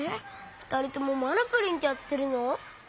ふたりともまだプリントやってるの？